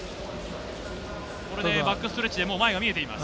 バックストレッチで前が見えています。